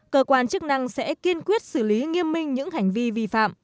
cơ quan chức năng sẽ kiên quyết xử lý nghiêm minh những hành vi vi phạm